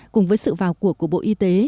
cùng với sự vào cuộc của bộ y tế